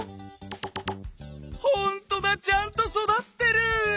ほんとだちゃんとそだってる！